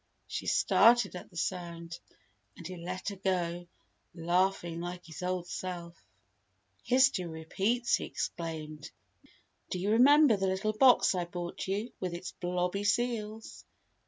She started at the sound, and he let her go, laughing like his old self. "'History repeats'!" he exclaimed. "Do you remember the little box I brought you, with its blobby seals?